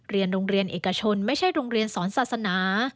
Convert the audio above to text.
โรงเรียนเอกชนไม่ใช่โรงเรียนสอนศาสนา